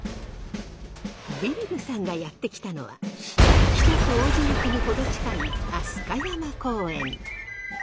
ビビるさんがやって来たのは北区王子駅に程近い飛鳥山公園。